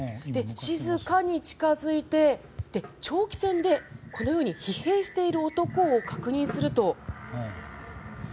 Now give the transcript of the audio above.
静かに近付いて、長期戦でこのように疲弊している男を確認すると。